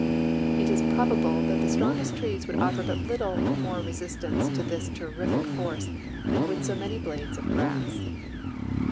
It is probable that the strongest trees would offer but little more resistance to this terrific force than Avould so many blades of grass.